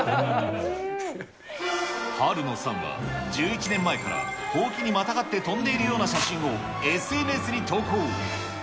ハルノさんは、１１年前からほうきにまたがって飛んでいるような写真をＳＮＳに投稿。